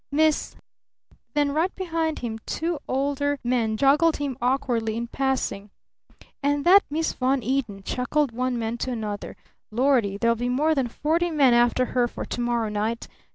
"Miss " Then right behind him two older men joggled him awkwardly in passing. " and that Miss Von Eaton," chuckled one man to another. "Lordy! There'll be more than forty men after her for to morrow night!